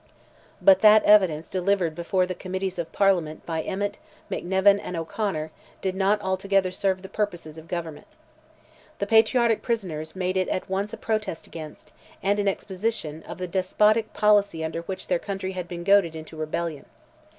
But that evidence delivered before the Committees of Parliament by Emmet, McNevin, and O'Conor, did not altogether serve the purposes of government. The patriotic prisoners made it at once a protest against, and an exposition of, the despotic policy under which their country had been goaded into rebellion.